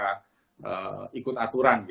kita ikut aturan